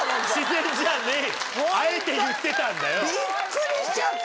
びっくりしちゃって。